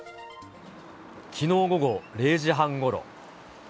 きのう午後０時半ごろ。